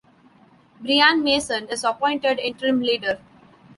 Brian Mason is appointed interim leader.